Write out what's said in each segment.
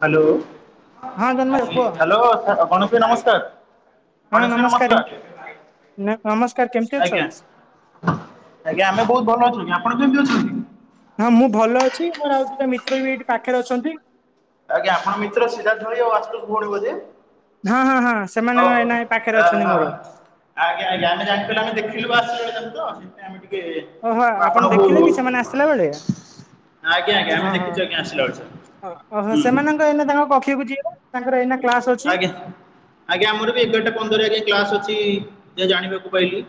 Hello ହଁ ଜନ୍ମ କୁହ ହ୍ୟାଲୋ। ଗଣେଶ ଭାଇ ନମସ୍କାର। ହଁ ଗଣେଶ ଭାଇ ନମସ୍କାର ନମସ୍କାର କେମିତି ଅଛ? ଆଜ୍ଞା ଆଜ୍ଞା ଆମେ ବହୁତ ଭଲ ଅଛନ୍ତି। ଆପଣ କେମିତି ଅଛନ୍ତି? ହଁ ମୁଁ ଭଲ ଅଛି ମୋର ଆଉ ଦିଟା ମିତ୍ର ବି ଏଇଠି ପାଖରେ ଅଛନ୍ତି। ଆଜ୍ଞା ଆପଣ ମିତ୍ର ସିରା ଧଳି ଆଉ ଆଶୁତୋଷ ଭଉଣୀ ବୋଧେ? ହଁ ହଁ ହଁ ସେମାନେ ଓହୋ ଏ ନହିଁ ପାଖରେ ଓହୋ ଅଛନ୍ତି ମୋର। ଆଜ୍ଞା ଆଜ୍ଞା ଆମେ ଜାଣିପାରିଲୁ ଦେଖିଲୁ [unintelligible] ଓହୋ ଆପଣ ଆପଣଙ୍କୁ ଦେଖିଲେ କି ସେମାନେ ଆସିଲା ବେଳେ? ଆଜ୍ଞା ଆଜ୍ଞା ଆମେ ଦେଖଛୁ ଆଜ୍ଞା ଆସିଲା ବେଳକୁ। ଓ ଓହୋ ସେମାନଙ୍କ ଏଇନା ତାଙ୍କ କକ୍ଷକୁ ଯିବେ ତାଙ୍କର ଏଇନା କ୍ଲାସ ଅଛି। ଆଜ୍ଞା ଆଜ୍ଞା ଆମର ବି ଏଗାରଟା ପନ୍ଦର ଆଜ୍ କ୍ଲାସ ଅଛି ଯ ଜାଣିବାକୁ ପାଇଲି।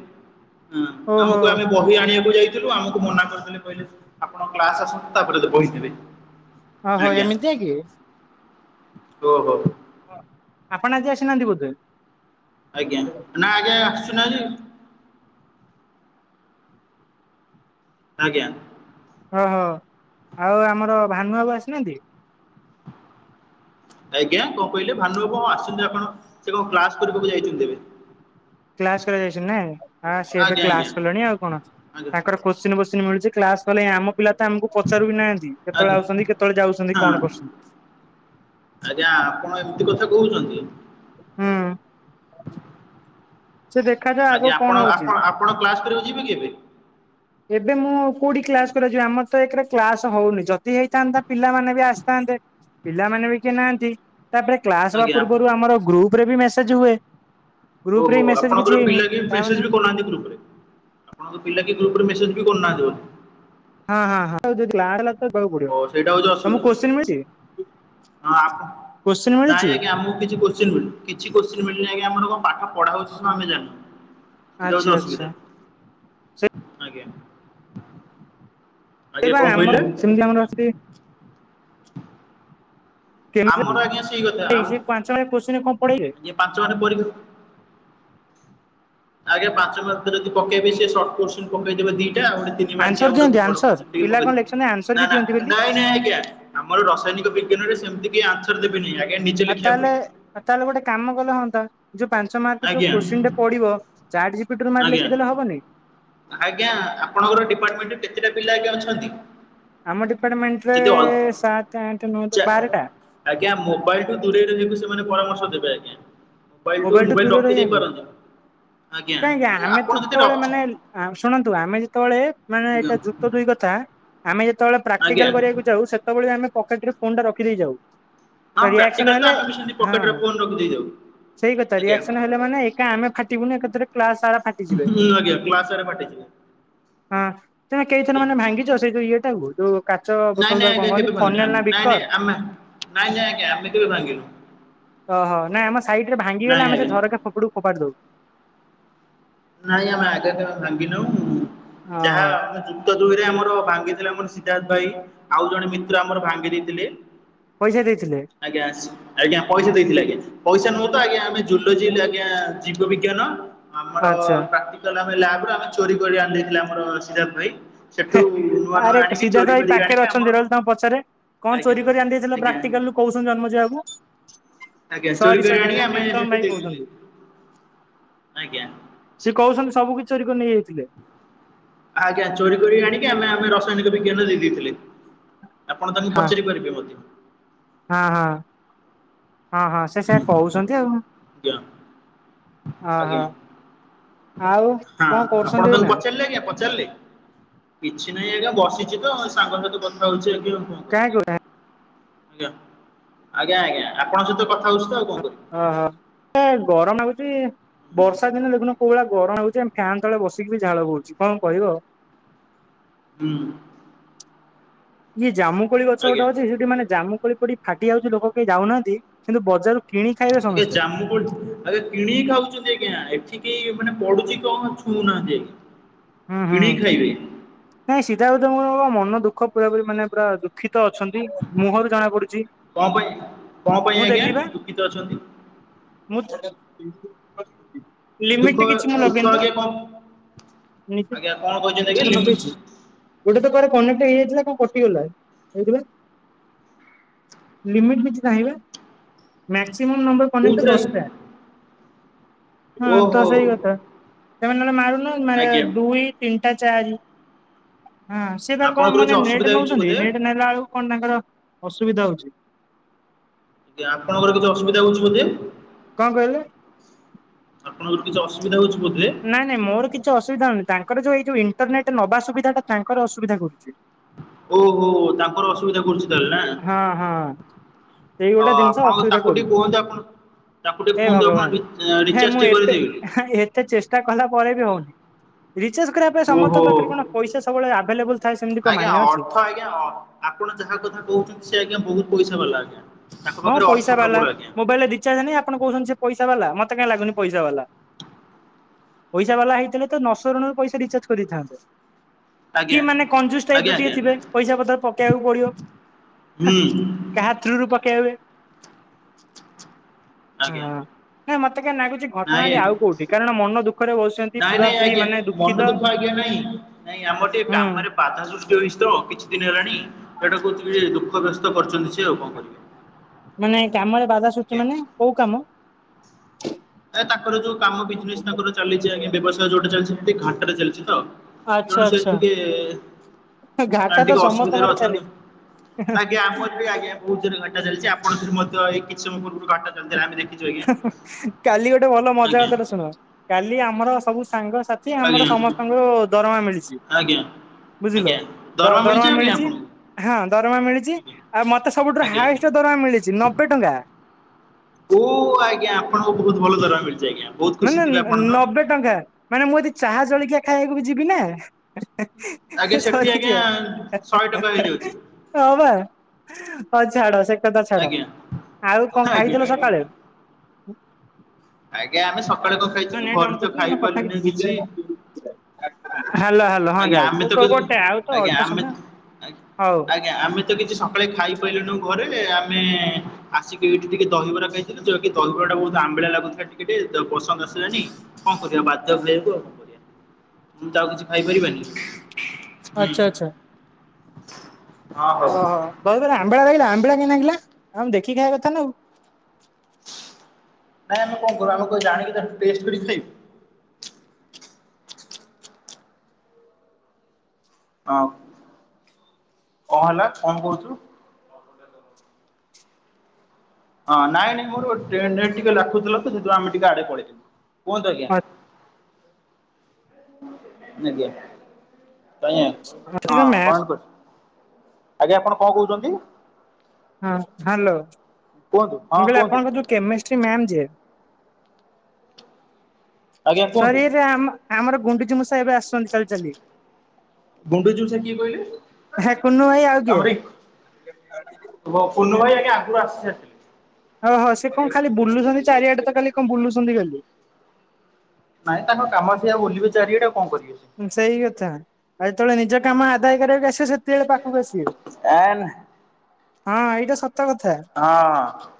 ହଁ ଓହୋ ଆମକୁ ଆମେ ବହି ଆଣିବାକୁ ଯାଇଥିଲୁ ଆମକୁ ମନା କରିଦେଲେ। କହିଲେ ଆପଣ କ୍ଲାସ ଆସନ୍ତୁ ତାପରେ ବହିନେବେ। ଓହୋ ଏମିତିଆ କି? ଓହୋ। ହ ଆପଣ ଆଜି ଆସିନାହାନ୍ତି ବୋଧେ? ଆଜ୍ଞା ନା ଆଜ୍ଞା ଆସୁଛୁ ନା ଆଜି। ଆଜ୍ଞା। ଓହୋ ଆଉ ଆମର ଭାନୁ ବାବୁ ଆସିନାହାନ୍ତି? ଆଜ୍ଞା କଣ କହିଲେ ଭାନୁବାବୁ ହଁ ଆସିଛନ୍ତି ଆପଣ ସେ କଣ କ୍ଲାସ କରିବାକୁ ଯାଇଛନ୍ତି ଏବେ। କ୍ଲାସ କରିବାକୁ ଯାଇଛନ୍ତି ନାଇଁଁ ସିଏ ଏବେ ଆଜ୍ଞା ଆଜ୍ଞା କ୍ଲାସ କଲେଣି ଆଉ କଣ ଆଜ୍ଞା ତାଙ୍କର କ୍ୱେଶ୍ଚିନ ଫୋଚିନ ମିଳୁଚି କ୍ଲାସ କଲେ ହିଁ ଆମ ପିଲା ତ ଆମକୁ ପଚାରୁ ବି ନାହାନ୍ତି କେତେବେଳେ ଆଜ୍ଞା ଆସଛନ୍ତି କେତେବେଳେ ଯାଉଛନ୍ତି ହଁ କଣ କରୁଛନ୍ତି। ଆଜ୍ଞା ଆପଣ ଏମିତି କଥା କହୁଛନ୍ତି। ହୁଁ ସେ ଦେଖାଯା ଆଜ୍ଞା ଆଗକୁ ଆପଣ କଣ ହଉଛି? ଆପଣ ଆପଣ କ୍ଲାସ୍ କରିବାକୁ ଯିବେ କି ଏବେ? ଏବେ ମୁଁ କୋଉଠି କ୍ଲାସ କରିବାକୁ ଯିବି ଆମର ତ ଏକରେ କ୍ଲାସ ହଉନି ଯଦି ହେଇଥାନ୍ତା ପିଲାମାନେେ ବି ଆସିଥାନ୍ତେ। ପିଲାମାନେ ବି କିଏ ନାହାନ୍ତି ତାପରେ କ୍ଲାସ ହବା ଆଜ୍ଞା ପୂର୍ବରୁ ଆମର ଗ୍ରୁପ ରେ ବି ମେସେଜ ହୁଏ। ଗ୍ରୁପ ରେ ବି ଓହୋ ମେସେଜ କିଛି ଆପଣଙ୍କର ହେଇନି ପିଲା କି ତାମାନେ ମେସେଜ ବି କରୁନାହାନ୍ତି ଗ୍ରୁପରେ। ଆପଣ ପିଲା କିଏ ଗ୍ରୁପରେ ମେସେଜ୍ ବି କରୁ କରିନାହାନ୍ତିି ବୋଧେ। ହଁ-ହଁ-ହଁ ଯଦି ଲ ଦବାକୁ ଓ ପଡିବ ସେଇଟା ହଉଛି ଅସୁବିଧା ତମକୁ କୋଶ୍ଚିନ ମିଳିଛି। ହଁ ଆ କୋଶ୍ଚିନ୍ ମିଳିଛି ନାଇଁ ଆଜ୍ଞା ଆମକୁ କିଛି କୋ ଛି କିଛି କୋଶ୍ଚିନ ମିଳିନି ଆଜ୍ଞା ଆମର କଣ ପାଠ ପଢା ହଉଛି ସବୁ ଆମେ ଜାଣିନୁ। ସେଇଟା ଆଚ୍ଛା ହଉଛି ଆଚ୍ଛା। ଅସୁବିଧା ଆଜ୍ଞା। ଏ ଆଜ୍ଞା ବା କଣ କହିଲେ ଆମର ସେମିତି ଆମର ଅଛି। ଆମର କେମିତି ଆଜ୍ଞା ସେଇ କଥା ଯାଇ ଆମ ସେ ପାଞ୍ଚ ମାର୍କିଆ କୋ୍ଚିିନ କଣ ପଢେଇବେ। ଆଜ୍ଞା ପାଞ୍ଚ ମା ରେ କରିବେ ଆଜ୍ଞା ପାଞ୍ଚ ମାର୍କ ଯଦି ପକେଇବେ ସେ ଶର୍ଟ କୋଶ୍ଚିନ ପକେଇଦେବେ ଦିଟା ଆଉ ଗୋଟେ ତି ଦୀ ମାର୍କିଆ ଆନ୍ସର ବଡ଼ ଦିଅନ୍ତି କୋଶ୍ଚିନ ଆନ୍ସର ଟେ ପକେଇ ପିଲା ଦେବେ କଣ ଲେଖିଛନ୍ତି ଆନ୍ସର ନା ବି ନା ଦିଅନ୍ତି ବୋଲି ନାଇଁ ନାଇଁ ଆଜ୍ଞା। ଆମର ରସାୟନିକ ବିଜ୍ଞାନରେ ସେମତି କେହି ଆନ୍ସର ଦେବେନି ଆଜ୍ଞା ନିଜେ ଆଉ ଲେଖିବା ତାହେଲେ ପଡିବ। ଆଉ ତାହେଲେ ଗୋଟେ କାମ କଲ ହୁଅନ୍ତା। ଯୋଉ ପାଞ୍ଚ ମାର୍କ ଯୋଉ ଆଜ୍ଞା କୋଶ୍ଚିନ ଟେ ପଡିବ ଚାଟ୍ ଜିପିଟି ରେ ମାରି ଆଜ୍ଞା ଲେଖିଦେଲେ ହବନି। ଆଜ୍ଞା ଆପଣଙ୍କର ଡିପାର୍ଟମେଣ୍ଟରେ କେତେଟା ପିଲା ଆଜ୍ଞା ଅଛନ୍ତି? ଆମ ଡିପାର୍ଟମେଣ୍ଟରେ ଯଦି ଅ ସାତ ଆଠ ନ ଚା ବାରଟା। ଆଜ୍ଞା ମୋବାଇଲଠୁ ଦୂରେଇ ରହିବାକୁ ସେମାନେ ପରାମର୍ଶ ଦେବେ ଆଜ୍ଞା। ମୋବାଇଲୁଠୁ ମୋବାଇଲଠୁ ମୋବାଇଲ ଦୂରରେ ରଖିଦେଇ ରହିବାକୁ। ପାରନ୍ତ ଆଜ୍ଞା ଆପଣ ଯଦି ରଖି ଆ ଶୁଣନ୍ତୁ ଆମେ ଯେତେବେଳେ ମାନେ ଆଜ୍ଞା ଏଇଟା ଯୁକ୍ତ ଦୁଇ କଥା ଆମେ ଯେତେବେଳେ ଆଜ୍ଞା ପ୍ରାକ୍ଟିକାଲ କରିବାକୁ ଯାଉ ସେତେବେଳେ ଆମେ ପକେଟରେ ଫୋନ୍ ଟା ରଖିଦେଇ ଯାଉ। ହଁ ରିଆକ୍ସନ ପ୍ରାକ୍ଟିକାଲ ତ ହେଲେ ଆମେ ବି ସେମତି ପକେଟରେ ଫୋନ ରଖିଦେଇ ଯାଉ। ତା ଆଜ୍ଞା ରିଆକ୍ସନ ହେଲା ମାନେ ଏକା ଆମେ ଫାଟିବୁନୁ ଏକଥରେ କ୍ଲାସ ସାରା ଫାଟିଜି ହୁଁ ଆଜ୍ଞା କ୍ଲାସ ସାରା ଫା ହଁ ତମେ ଆଜ୍ଞା କେଇଥର ମାନେ ଭାଙ୍ଗିଛ ସେଇ ଯୋଉ ଇଏଟାକୁ ଯୋଉ କାଚ ନାଇଁ ବୋତଲ ନାଇଁ ତାକୁ କଣ ଆଜ୍ଞା କହନ୍ତି କେବେ ଫନେଲ ଭାଙ୍ଗିନୁ ନା ନାଇଁ ବିକର? ଆମେ ନାଇଁ ନାଇଁ ଆଜ୍ଞା ଆମେ କେବେ ଭାଙ୍ଗିନୁ। ଓହୋ ନାଇଁ ଆମ ସାଇଡରେ ଭାଙ୍ଗିଗଲେ ନାଇଁ ଆମେ ସେ ଆଜ୍ଞା ଝରକା ସେପଟକୁ ଫୋପାଡି ଦଉ। ନାଇଁ ଆମେ ଆଗେ କେବେ ଭାଙ୍ଗିନାଉ ଯାହା ଓହୋ ଆମ ଯେ ଯୁକ୍ତ ଦୁଇରେ ଆମର ଭାଙ୍ଗିଥିଲେ ଆମର ସିଦ୍ଧାର୍ଥ ଭାଇ ଆଉ ଜଣେ ମିତ୍ର ଆମର ଭାଙ୍ଗି ଦେଇଥିଲେ। ପଇସା ଦେଇଥିଲେ। ଆଜ୍ଞା ଆଜ୍ଞା ପଇସା ଦେଇଥିଲେ ଆଜ୍ଞା ପଇସା ନୁହଁ ତ ଆଜ୍ଞା ଆମେ ଜୁଲୋଜି ଆଜ୍ଞା ଜୀବ ବିଜ୍ଞାନ। ଆମର ଆଚ୍ଛା ପ୍ରାଟିକାଲ ଲାବରୁ ଆମେ ଚୋରି କରି ଆଣିଇଦେଇଥିଲେ ଆମର ସିଦ୍ଧାର୍ଥ ଭାଇ। ସେଠୁ ହେ ନୂଆ ନୂଆ ଆରେ ଆଣିକି ସିଦ୍ଧାର୍ଥ ଚୋରି ଭାଇ କରିକି ଆଣିକି ପାଖରେ ଆମ ଅଛନ୍ତି ରହିଲ ତାଙ୍କୁ ପଚାରେ। କଣ ଆଜ୍ଞା ଚୋରି କରି ଆଣିଦେଇଥିଲ ଆଜ୍ଞା ପ୍ରାକ୍ଟିକାଲରୁ କହୁଛନ୍ତି ଜନ୍ମଜୟ ବାବୁ ଆଜ୍ଞା ଚୋରି ସରି କରି ସରି ଆଣି ଆମ ଆମେ ପ୍ରୀତମ ହେଠି ଭାଇ ଦେଇଦେଇଥିଲେ କହୁଛନ୍ତି। ଆଜ୍ଞା। ସିଏ କହୁଛନ୍ତି ସବୁ କିଛି ଚୋରିକରି ନେଇଯାଇଥିଲେ। ଆଜ୍ଞା ଚୋରି କରି ଆଣିକି ଆମେ ଆମେ ରସାୟନିକ ବିଜ୍ଞାନ ଦେଇଦେଇଥିଲେ। ଆପଣ ତାଙ୍କୁ ହଁ ପଚାରି ପାରିବେ ମଧ୍ୟ। ହଁ ହଁ ହଁ ହଁ ତ ହୁଁ ସେଇଆ ଆଜ୍ଞା କହୁଛନ୍ତି ଆଉ ଆଜ୍ଞା ଅହୋ ଆଉ ହଁ କଣ କରୁଛନ୍ତି ଆପଣ ତାଙ୍କୁ ଏଇନା? ପଚାରିଲେ ଆଜ୍ଞା ପଚାରିଲେ? କିଛି ନାହିଁ ଆଜ୍ଞା ବସିଛି ତ ସାଙ୍ଗ ସହିତ କଥା ହଉଛି ଆଜ୍ଞା କ କାଁ କୋ ଆଜ୍ଞ ଆଜ୍ଞା ଆଜ୍ଞା ଆପଣଙ୍କ ସହିତ କଥା ହଉଛି ତ ଆଉ କଣ କରିବି। ହୁଁ ଓହୋଏ ଗରମ ଲାଗୁଛି। ବର୍ଷା ଦିନ ଦେଖୁନ କୋଉ ଭଳିଆ ଗରମ ହଉଛି ଆମେ ଫ୍ୟାନ୍ ତଳେ ବସିକିବି ଝାଳ ବହୁଛି କଣ କହିବ ହୁଁ। ଇ ଜାମୁକୋଳି ଗଛ ଗୋଟେ ଆଜ୍ଞା ଅଛି ସେଠି ମାନେ ଜାମୁକୋଳି ପଡି ଫାଟି ଯାଉଛି ଲୋକ କେହି ଯାଉନାହାନ୍ତି କିନ୍ତୁ ବଜାରକୁ ଟିକେ ଜାମୁ କୋଳି ଆଜ୍ଞା କିଣିକି ଖାଉଛନ୍ତି ଆଜ୍ଞା ଏଠିକେହି ମାନେ ପଡୁଛି କଣ ଛୁଉଁନାହାନ୍ତି ଆଜ୍ଞା। ହୁଁ ହୁଁ କିଣିକି ଖାଇବେ? ନାଇଁ ସିଦ୍ଧାର୍ଥର ମନ ଦୁଃଖ ପୁରାପୁରି ମାନେ ପୁରା ଦୁଃଖିତ ଅଛନ୍ତି ମୁହଁରୁ ଜଣା ପଡୁଛି କଣ ପାଇଁ କଣ ପାଇଁ ମୁଁ ଆଜ୍ଞା ଦେଲି ବା ଦୁଃଖିତ ଅଛନ୍ତି? ମୁଁ ଦୁଃଖ ଲିମିଟ କିଛି ମୁଁ ଦୁଃଖ ଲଗେଇନିତ। ଆଜ୍ଞା କଣ [inaudible] ଆଜ୍ଞା କଣ କହିଛନ୍ତି ଆଜ୍ଞା ମୁଁ ଲିମିଟ ଲଗେଇଛି। ଗୋଟେ ତ କାର କନେକ୍ଟ ହେଇଯାଇଥିଲା କଣ କଟିଗଲା ହେଇଚିପା। ଲିମିଟ୍ କିଛି ନାହିଁବା ମ୍ୟାକ୍ସିମମ୍ ନମ୍ବର କନେକ୍ଟ କୋଉଥିରେ ଆଜ୍ଞା? ଦଶଟା। ହଁ ତ ଓହୋ ସେଇ କଥା ସେମାନେ ନହେଲେ ମାରୁନ ମାନେ ଆଜ୍ଞା। ଦୁଇ ତିନିଟା ଚାରି ହଁ ସେପା କଣ ଆପଣଙ୍କର କିଛି ମାନେ ନେଟ୍ ଅସୁବିଧା ହେଇଛି ନଉଛନ୍ତି ବୋଧେ? ନେଟ ନେଲା ବେଳୁ କଣ ତାଙ୍କର ଅସୁବିଧା ହଉଛି। କି ଆପଣଙ୍କର କିଛି ଅସୁବିଧା ହଉଛି ବୋଧେ? କଣ କହିଲେ? ଆପଣଙ୍କର କିଛି ଅସୁବିଧା ହେଉଛି ବୋଧେ? ନାଇଁ ନାଇଁ ମୋର କିଛି ଅସୁବିଧା ହଉନି ତାଙ୍କର ଜଉ ଏଇ ଯୋଉ ଇଣ୍ଟରନେଟ ନବା ସୁବିଧା ତାଙ୍କର ଅସୁବିଧା କରୁଛି। ଓହୋ ତାଙ୍କର ଅସୁବିଧା କରୁଛି। ତାହେଲେ ନା? ହଁ ହଁ ସେଇ ଅ ଗୋଟା ଜିନିଷ ଆପଣ ଅସୁବିଧା ତାଙ୍କୁ କରୁଛି। ଟିକେ କୁହନ୍ତୁ ଆପଣ ତାକୁ ଟିକେ ହେ କୁହନ୍ତୁ ଆପଣ ଭଗବାନ ରି ହେ ରିଚାର୍ଜ ମୁଁ ଟିକେ ଏତେ କରିଦେବେ ବୋଲି। ଏତେ ଚେଷ୍ଟା କଲା ପରେ ବି ହଉନି। ରିଚାର୍ଜ କରିବା ପାଇଁ ସମସ୍ତଙ୍କ ଓହୋ। ପାଖରେ କଣ ପଇସା ସବୁବେଳେ ଆଭେଲେବଲ ଆଜ୍ଞା ଅର୍ଥ ଆଜ୍ଞା ଆପଣ ଯାହା କଥା କହୁଛନ୍ତି ସେ ଆଜ୍ଞା ବହୁତ ପଇସା ବାଲା ଆଜ୍ଞା। ତାଙ୍କ କଣ ପାଖରେ ଅର୍ଥ ପଇସା ପ୍ରବଳ ବାଲା ଆଜ୍ଞା। ମୋବାଇଲରେ ରିଚାର୍ଜ ନାଇ ଆପଣ କହୁଛନ୍ତି ସେଇ ପଇସାବାଲା ମତେ କାହିଁ ଲାଗୁନି ପଇସା ବାଲା। ପଇସାବାଲା ହେଇଥିଲେ ତ ନ ସରଣରୁ ପଇସା ରିଚାର୍ଜ କରିଦେଇଥାନ୍ତେ। ଆଜ୍ଞା କି ମାନେ କଞ୍ଜୁସ୍ ଟାଇପ ଆଜ୍ଞା ର ଆଜ୍ଞା ଟିକେ ଥିବେ ପଇସା ପତର ପକେଇବାକୁ ପଡିବ। ହୁଁ। କାହା ଥ୍ରୁରୁୁ ପକେଇ ବେ ଆଜ୍ଞା ହଁ ହେ ମତେ କାଇଁ ଲାଗୁଛି ଘଟଣାଟି ନାଇଁ ଆଉ କୋଉଠି କାରଣ ମନ ଦୁଃଖରେ ବସିଛନ୍ତି ନାଇଁ ପୁରା ନାଇଁ ପୁର ଆଜ୍ଞା ମାନେ ମନ ଦୁଃଖିତ। ଦୁଃଖ ଆଜ୍ଞା ନାଇଁ ନାଇଁ ଆମର ଟିକେ ହୁଁ କାମରେ ବାଧା ସୃଷ୍ଟି ହୋଇଛି ତ କିଛି ଦିନ ହେଲାଣି ସେଟା କହୁଛି କି ଦୁଃଖ ବ୍ୟସ୍ତ କରୁଛନ୍ତି ସେ ଆଉ କଣ କରିବେ। ମାନେ କାମରେ ବାଧା ସୃଷ୍ଟି, ଆଜ୍ଞା। ମାନେ କୋଉ କାମ? ଆ ତାଙ୍କର ଯୋଉ କାମ ବିଜନେସ୍ ତାଙ୍କର ଚାଲିଛି ଆଜ୍ଞା ବ୍ୟବସାୟ ଯୋଉଟା ଚାଲିଛି ସେ ଟିକେ ଘାଟାରେ ଚାଲିଛି ତ। ଆଚ୍ଛା ତେଣୁ ସେ ଆଚ୍ଛା ଟିକେ ଆ ଘାଟା ତ ଟିକେ ଅସୁବିଧାରେ ସମସ୍ତଙ୍କର ଅଛନ୍ତି। ଆଜ୍ଞା ଚାଲିଛି। ଆମ ଆଜ୍ଞା। ବହୁତ ଯୋରେ ଘାଟା ଚାଲିଛି ଆପଣ ମଧ୍ୟ ଏଇ କିଛି ସମୟ ପୂର୍ବରୁ ଘାଟାଚାଲିଥିଲା ଆମେ ଦେଖିଛୁ ଆଜ୍ଞା। କାଲି ଗୋଟେ ଭଲ ମଜା ଆଜ୍ଞା କଥାଟା ଶୁଣ, କାଲି ଆମର ସବୁ ସାଙ୍ଗସାଥ୍ ସେ ଆମର ଆଜ୍ଞା ସମସ୍ତଙ୍କୁ ଦରମା ମିଳିଛି ଆଜ୍ଞା ବୁଝିଲ ଆଜ୍ଞା ଦରମା ଆଜ୍ଞା ମିଳିଛି। ଆପଣଙ୍କୁ? ହଁ ଦରମା ମିଳିଛି ଆଜ୍ଞା ଆଉ ମତେ ସବୁଠୁ ଆଜ୍ଞା। ହାଏଷ୍ଟ୍ ଦରମା ମିଳିଛି ନବେ ଟଙ୍କା। ଓ ଆଜ୍ଞା ଆପଣଙ୍କୁ ବହୁତ ଭଲ ଦରମା ମିଳିଛି ଆଜ୍ଞା ବହୁତ ମାନେ ଖୁସି ଥିବେ ଆପଣ ତ? ନବେ ଟଙ୍କା ମାନେ ମୁଁ ଯଦି ଚାହା ଜଳିକିଆ ଖାଇବାକୁ ବି ଯିବି ନା ଆଜ୍ଞା ସେଠି ଆଜ୍ଞା ସରିଯିବ ଶହେ ଟଙ୍କା ହେଇଯାଉଛି [unintelligible] ହଁ ବା ହଁ ଛାଡ ସେ କଥା ଛାଡ ଆଜ୍ଞା ଆଉ କଣ ଆଜ୍ଞା। ଖାଇଥିଲ ସକାଳୁ? ଆଜ୍ଞା ଆମେ ସକାଳେ କ ହଁ ଖାଇଥିଲୁ ନେଟ୍ ଅନ୍ ଘରୁ ତ କରିଥିଲ ଖାଇ କଥା ପାରିଲୁନି ହ୍ୟାଲୋ କିଛି। ହ୍ୟାଲୋ ହଁ ଆଜ୍ଞା ଯାଉଛି ଆମେ ତ ଗୋଟେ ଆଉ ତ ଆଜ୍ଞା ଅଳ୍ପ ଆମେ ସମୟ ହଉ ଆଜ୍ଞା ଆମେ କିଛି ତ ସକାଳେ ଖାଇ ପାରିଲୁନୁ ଘରେ। ଆମେ ଆସିକି ଏଇଠି ଟିକେ ଦହିବରା ଖାଇ ତ ଦହିବରା ଟା ବହୁତ ଆମ୍ୱିଲା ଲାଗୁଥିଲା ଟିକେ ଟିକେ ପସନ୍ଦ ଆସିଲାନି। କଣ କରିବା ବାଧ୍ୟ ଖାଇବାକୁ। ଆଉକଣ କରିବା ମୁଁ ତ ଆଉ କିଛି ଖାଇପାରିବାନି? ହୁଁ। ଆଚ୍ଛା ଆଚ୍ଛା। ହଁ ଦହିବରା ଆମ୍ବିଳା ଲାଗିଲା ଆମ୍ବିଳା କାହିଁକି ଲାଗିଲା? ତମେ ଦେଖିକି ଖାଇବା କଥା ନା ଆଉ। ନାଇଁ ଆମେ କଣ କରୁ ଆମ କ ଜାଣିକୁ ତାକୁ ଟେଷ୍ଟ କରିକି ଖାଇବୁ। ହଁ କଣ ହେଲା କଣ କହୁଥୁଲୁ? ହଁ ନାଇଁ ନାଇଁ ମୋର [unintelligible] ଟିକେ ଲାଖୁଥିଲ ତ ସେଥି ଲାଗି ଆମେ ଟିକେ ଆଡେ ପଳେଇ ଆଇଲୁ। କୁହନ୍ତୁ ଆଜ୍ଞା। ଆଜ୍ଞା କାହିଁ ହଁ କଣ ମ୍ୟାମ କରିଚ? ଆଜ୍ଞା ଆପଣ କଣ କହୁଛନ୍ତି? ହଁ ହ୍ୟାଲୋ କୁହନ୍ତୁ ହଁ ମୁଁ କହିଲି କୁହନ୍ତୁ ଆପଣଙ୍କ ଯୋଉ କେମେଷ୍ଟ୍ରୀ ମାମ୍ ଯେ ଆଜ୍ଞା କୁହନ୍ତୁ ସାର୍ ଇଏ ଯେ ଆମ ଆମର ଗୁଣ୍ଡୁଚି ମୂଷା ଏବେ ଆସୁଛନ୍ତି ଚାଲି ଚାଲି। ଗୁଣ୍ଡୁଚି ମୂଷା କିଏ କହିଲେ? ହେ କୁନୁ ଭାଇ ଆଉ କିଏ? ହୋ ପୋନୁ ଭାଇ ଆଜ୍ଞା ଆଗରୁ ଆସି ହଁ ହଁ ସେ କଣ ଖାଲି ବୁଲୁଛନ୍ତି ଚାରିଆଡେ ତ କାଲି କଣ ବୁଲୁଛନ୍ତି ଖାଲି? ନାଇଁ ତାଙ୍କ କାମ ସେଇଆ ବୁଲିବେ ଚାରିଆଡେ ଆଉ କଣ କରିବେ ସେ? ହୁଁ ସେଇ କଥା ଆଉ ଯେତେବେଳେ ନିଜ କାମ ଆଦାୟ କରିବାକୁ ଆସିବ ସେତେବେଳେ ପାଖକୁ ଆସିବେ। ଏ ନ ହଁ ଏଇଟା ସତ୍ ହଁ।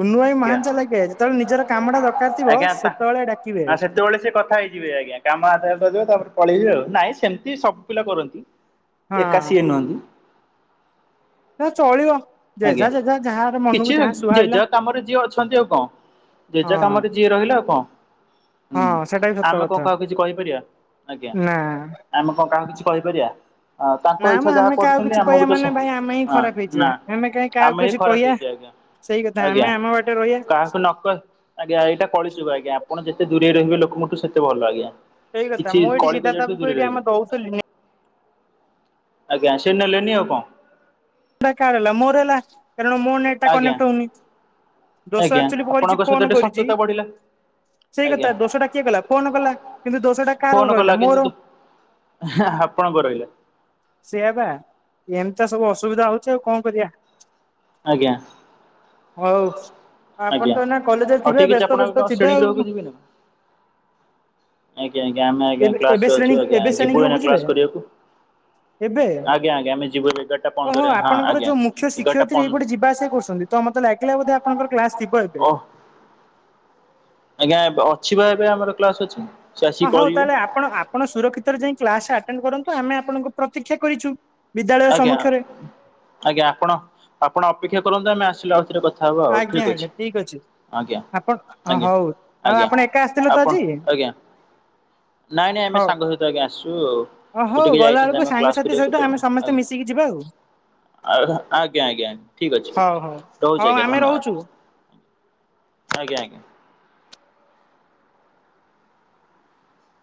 କୁନୁଭାଇ ଆଜ୍ଞା। ମହାନ ଚାଲାକିଆ ଯେତେବେଳେ ନିଜର କାମ ଟା ଦରକାର ଥିବ ସେତେବେଳେ ଡାକିବେ। ଯେତେବେଳେ ସେ କଥା ହେଇଯିବେ ଆଜ୍ଞା। କାମ ଆଦାୟ କରିଦେବେ ତାପରେ ପଳେଇବେ ଆଉ। ନାଇଁ ସେମିତି ସବୁ ପିଲା କରନ୍ତିନି। ହଁ। ଏକା ସିଏ ନୁହନ୍ତି। ନା ଚଳିବ। ଯେଝା ଆଜ୍ଞା। ଯେଝା ଯାହାର ମନକୁ କିଛି ଯାହା [unintelligible] ସୁହାଇଲା ଯୋ କାମରେ ଯିଅ ଅଛନ୍ତି ଆଉ କଣ? ଯେଝା ହଁ କାମରେ ଯିଏ ରହିଲା ଆଉ କଣ? ହୁଁ, ହଁ ସେଟା ବି ସତ ଆମେ କଣ କଥା କହାକୁ କିଛି କହିପାରିବା? ଆଜ୍ଞା। ନା ଆମେ କଣ କାହାକୁ କିଛି କହିପାରିବା? ନା ତାଙ୍କ ମ ଇଚ୍ଛା ଯାହା ଆମେ କାହାକୁ କରୁଛନ୍ତି କିଛି କହିବା ଆମକୁ ତ ମାନେ ସ ଭାଇ ଆମେ ହିଁ ନା ଖରାପ ହେଇଯିବା ନା ଆମେ କାହିଁ କାହାକୁ ଆମେ ହିଁ କିଛି ଖରାପ କହିବା ହେଇଯିବା ସେଇ କଥା ଆମେ ଆଜ୍ଞା। ଆଜ୍ଞା ଆମ ବାଟେ ରହିବା କାହାକୁ ନକହି ଆଜ୍ଞା ଏଇଟା କଳିଯୁଗ ଆଜ୍ଞା। ଆପଣ ଯେତେ ଦୂରେଇ ରହିବ ଲୋକଙ୍କ ଠୁ ସେତେ ଭଲ ଆଜ୍ଞା। ସେଇ କଥା କିଛି ମୁଁ ଏଇଠି କଳି ସିଦ୍ଧାର୍ଥ କଜିଆଠୁ ବାବୁକୁ ଦୂରେଇ ଏଇଠି ରହିବ। ଆମେ ଦଉଥିଲି ନେଟ୍ ଆଜ୍ଞା ସେ ନେଲେନି ଆଉ କଣ? [unintelligible] କାହାର ହେଲା ମୋର ହେଲା, କାରଣ ମୋ ନେଟ ଟା ଆଜ୍ଞା। କନେକ୍ଟ ହଉନି। ଦୋଷ ଆଜ୍ଞା ଆଚୁୱାଲି ଭରିଛି ଆପଣଙ୍କ ସହିତ ଫୋନ୍ ଟିକେ କରିଛି। ଶତ୍ରୁତା ବଢିଲା ସେଇ ଆଜ୍ଞା କଥା ଦୋଷଟା କିଏ କଲା ଫୋନ କଲା କିନ୍ତୁ ଦୋଷଟା କାହାର ଆଉ ରହିଲା ମୋର। ହାଁ ଆପଣଙ୍କ ରହିଲା। ସେୟା ବା ଏନ୍ତା ସବୁ ଅସୁବିଧା ହଉଛି ଆଉ କଣ କରିବା। ଆଜ୍ଞା। ହଉ ଆଜ୍ଞା। ଆପଣ ତ ଏଇନା କଲେଜରେ ହଉ ଥିବେ ଠିକ୍ ଅଛି ବ୍ୟସ୍ତ ଆପଣ ବ୍ୟସ୍ତ କଣ ଶ୍ରେଣୀ ଥିବେ ଗୃହକୁ ଆଉ? ଯିବେନି? ଆଜ୍ଞା ଆଜ୍ଞା ଆମେ ଆଜ୍ଞା ଏବେ ଏବେ କ୍ଲାସ୍ରେ ଶ୍ରେଣୀ ଅଛୁ ଆଜ୍ଞା ଏବେ ଶ୍ରେଣୀ ଯିବୁ ଗୃହକୁ ଏଇଣା ଯିବେ କ୍ଲାସ୍ କରିବାକୁ। ଏବେ ଆଜ୍ଞା ଆଜ୍ଞା ଆମେ ଯିବୁ ଏଗାରଟା ଓହୋ ପନ୍ଦରରେ ହଁ ଆପଣଙ୍କର ଆଜ୍ଞା ଯୋଉ ମୁଖ୍ୟ ଏଗାରଟା ଶିକ୍ଷୟତ୍ରୀ ପନ୍ଦ ଏଇପଟେ ଯିବା ଆସିଆ କରୁଛନ୍ତି। ତ ମତେ ଲାଗିଲ ବଧେ ଆପଣଙ୍କର କ୍ଲାସ୍ ଥିବ ଏବେ। ଓହ ଆଜ୍ଞା ଏବ୍ ଅଛି ବା ଏବେ ଆମର କ୍ଲାସ୍ ଅଛି। ସେ ଆସିକି ହଁ ହଉ କରିବେ ତାହେଲେ ଆପଣ ଆପଣ ସୁରକ୍ଷିତରେ ଯାଇ କ୍ଲାସେ ଆଟେଣ୍ଡ୍ କରନ୍ତୁ ଆମେ ଆପଣଙ୍କୁ ପ୍ରତୀକ୍ଷା କରିଛୁ? ବିଦ୍ୟାଳୟ ଆଜ୍ଞା ସମ୍ମୁଖରେ ଆଜ୍ଞା ଆପଣ ଆପଣ ଅପେକ୍ଷା କରନ୍ତୁ ଆମେ ଆସିଲେ ଆଉଥିରେ କଥ୍ ଥାବ ଆଉ ଆଜ୍ଞା ଠିକ୍ ଅଛି। ଆଜ୍ଞା ଠିକ ଅଛି ଆଜ୍ଞା ଆପଣ ହଁ, ଆଜ୍ଞା ହଉ। ଆଉ ଆଜ୍ଞା ଆପଣ ଏକା ଆସିଥିଲେ ତ ଆପନ୍ ଆଜି ଆଜ୍ଞା। ନାଇଁ ନାଇଁ ଆମେ ହଉ। ସାଙ୍ଗ ସହିତ ଆଜ୍ଞା ଆସୁ ଓ ସେ ହଉ ଟିକେ ଗଲା ଯାଇଛନ୍ତି ବେଳକୁ ଆମ କ୍ଲାସ୍ ସାଙ୍ଗସାଥି ସହିତ କରିବାକୁ ତେଣୁ ଆମେ ସମସ୍ତେ ଆ ମିଶିକି ଯିବା ଆଉ ଆଲ୍ [inaudible] ଆଜ୍ଞା ଆଜ୍ଞା ଆଜ୍ଞା ଠିକ୍ ଅଛି। ହଉ ହଉ ରହୁଛି ହଉ ଆଜ୍ଞା ଆମେ ଧନ୍ୟବାଦ୍? ରହୁଛୁ। [inaudible] ଆଜ୍ଞା ଆଜ୍ଞା।